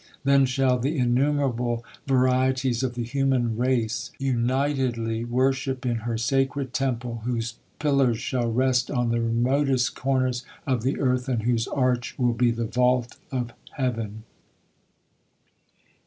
Then shall the innumerable varieties of the human race unitedly " worship in her sacred tem])le, whose pillars shall rest on the remotest corners of the earth, and v/hose arch will be the vault of heaven."